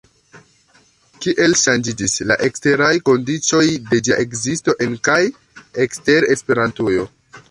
Kiel ŝanĝiĝis la eksteraj kondiĉoj de ĝia ekzisto, en kaj ekster Esperantujo?